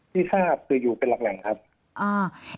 ที่ทราบคืออยู่เป็นหลักแหล่งครับอ่า